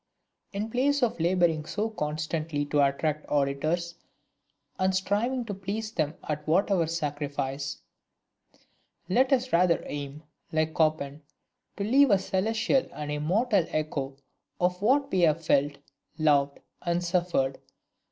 In place of laboring so constantly to attract auditors, and striving to please them at whatever sacrifice, let us rather aim, like Chopin, to leave a celestial and immortal echo of what we have felt, loved, and suffered!